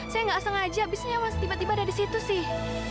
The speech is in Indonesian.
saya gak sengaja abisnya mas tiba tiba ada disitu sih